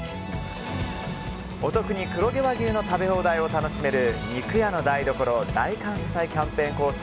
お得に黒毛和牛の食べ放題を楽しめる肉屋の台所大感謝祭キャンペーンコース